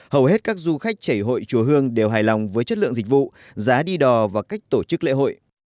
hầu hết các du khách chảy hội chùa hương đều hài lòng với chất lượng dịch vụ giá đi đò và cách tổ chức lễ hội